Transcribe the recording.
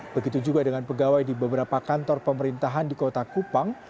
begitu juga dengan pegawai di beberapa kantor pemerintahan di kota kupang